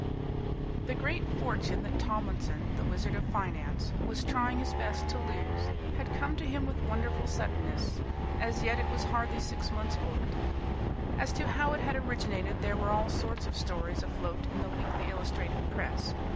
The great fortune that Tomlinson, the Wizard of Finance, was trying his best to lose had come to him with wonderful suddenness. As yet it was hardly six months old. As to how it had originated, there were all sorts of stories afloat in the weekly illustrated press.